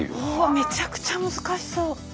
めちゃくちゃ難しそう。